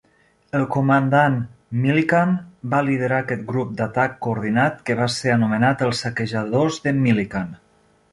El comandant Millican va liderar aquest grup d'atac coordinat, que va ser anomenat "Els Saquejadors de Millican".